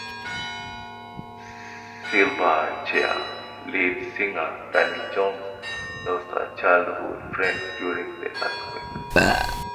Silverchair lead singer Daniel Johns lost a childhood friend during the earthquake.